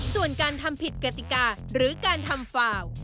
ส่วนการทำผิดกติกาหรือการทำฟาว